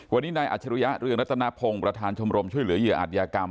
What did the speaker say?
วันนี้นายอัจฉริยะเรืองรัตนพงศ์ประธานชมรมช่วยเหลือเหยื่ออาจยากรรม